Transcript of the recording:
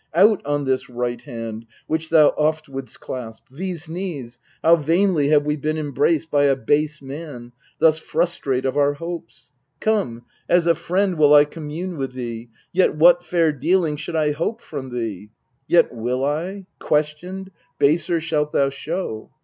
Out on this right hand, which thou oft wouldst clasp These knees ! how vainly have we been embraced By a base man, thus frustrate of our hopes ! Come, as a friend will I commune with thee Yet what fair dealing should I hope from thee ? Yet will I : questioned, baser shalt thou show.